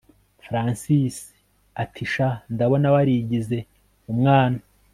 Francis atisha ndabona warigize umwana